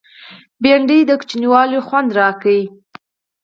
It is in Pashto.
بېنډۍ د ماشومتوب خوند راوړي